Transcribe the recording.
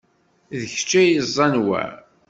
D kečč ay yeẓẓan wa?